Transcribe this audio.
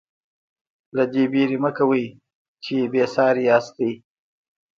له دې وېرې مه کوئ چې بې ساري یاستئ.